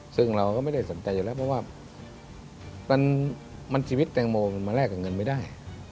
ซึ่งเราก็ไม่ได้สนใจอยู่แล้วเพราะว่ามันชีวิตแตงโมมันมาแลกกับเงินไม่ได้